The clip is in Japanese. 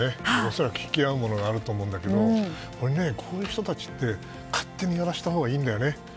恐らく引き合うものがあると思うんだけどもこういう人たちって勝手にやらせたほうがいいんだよね。